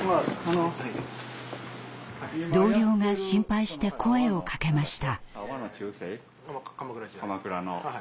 同僚が心配して声をかけました。